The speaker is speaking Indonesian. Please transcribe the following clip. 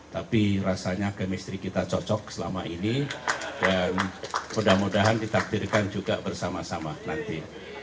tapi rasanya kemistri kita cocok selama ini dan mudah mudahan ditakdirkan juga bersama sama nanti